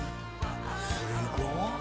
すごい！